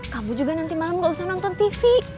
kamu juga nanti malam gak usah nonton tv